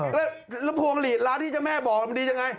แล้วพวงหลีดร้านที่เจ้าแม่บอกมันดียังไง